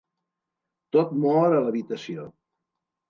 Tot mor a l'habitació.